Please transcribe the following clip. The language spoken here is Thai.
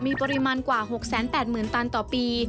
มีปริมาณกว่า๖๘๐๐๐ตันต่อปี